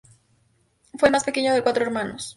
Fue el más pequeño de cuatro hermanos.